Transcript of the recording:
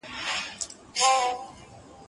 هغه څوک چي مينه څرګندوي مهربان وي